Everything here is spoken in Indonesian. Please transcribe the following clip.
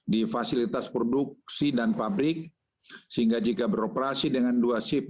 di fasilitas produksi dan pabrik sehingga jika beroperasi dengan dua shift